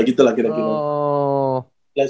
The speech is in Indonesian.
gitu lah kira kira